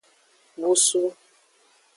Busu.